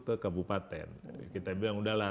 ke kabupaten kita bilang udahlah